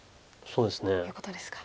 そうですね。